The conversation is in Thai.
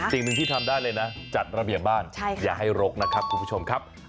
สิ่งหนึ่งที่ทำได้เลยนะจัดระเบียบบ้านอย่าให้รกนะครับคุณผู้ชมครับ